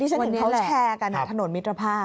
ที่ฉันหนึ่งเขาแชร์กันถนนมิตรภาพ